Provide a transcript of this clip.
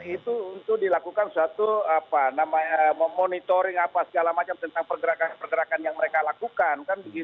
itu untuk dilakukan suatu monitoring segala macam tentang pergerakan pergerakan yang mereka lakukan